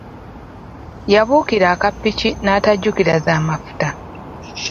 Yabuukira akapiki n’atajjukira za mafuta